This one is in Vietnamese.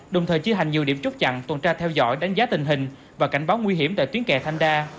đồng thời chia hành nhiều điểm chốt chặn tuần tra theo dõi đánh giá tình hình và cảnh báo nguy hiểm tại tuyến kè thanh đa